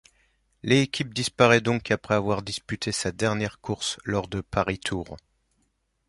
L'équipe disparaît donc après avoir disputé sa dernière course lors de Paris-Tours.